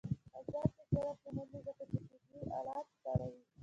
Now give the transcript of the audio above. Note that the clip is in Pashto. آزاد تجارت مهم دی ځکه چې طبي آلات خپروي.